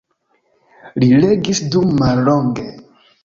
Li regis dum mallonge.